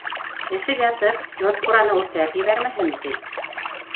Эсеп ятып, йорт-ҡураны үртәп ебәрмәһен, ти.